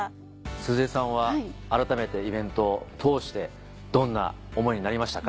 鈴江さんは改めてイベントを通してどんな思いになりましたか？